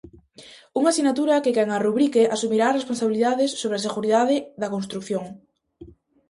Unha sinatura que quen a rubrique asumirá as responsabilidades sobre a seguridade da construción.